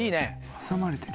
挟まれてる？